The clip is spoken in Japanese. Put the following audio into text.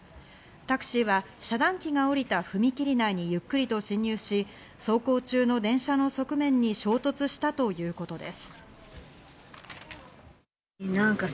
タクシーは遮断機が降りた踏み切り内にゆっくりと進入し、走行中の電車の側面に衝突したとみられるということです。